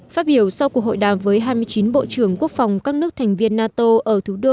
phát biểu sau cuộc hội đàm với hai mươi chín bộ trưởng quốc phòng các nước thành viên nato ở thủ đô